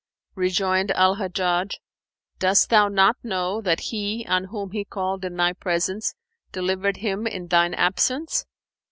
'" Rejoined Al Hajjaj, "Dost thou not know that He, on whom he called in thy presence, delivered him in thine absence?"